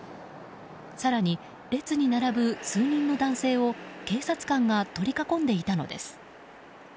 更に、列に並ぶ数人の男性を警察官が取り囲んでいたのです。